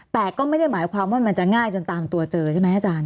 แต่ก็ไม่ได้หมายความว่ามันจะง่ายจนตามตัวเจอใช่ไหมอาจารย์